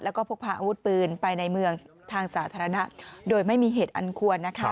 แล้วก็พกพาอาวุธปืนไปในเมืองทางสาธารณะโดยไม่มีเหตุอันควรนะคะ